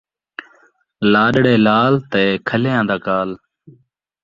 لاݙڑے لعل تے کھلّیاں دا کال